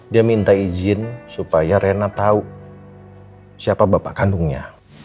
dia minta izin supaya rena tahu siapa bapak kandungnya